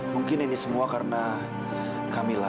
mungkin ini semua karena camilla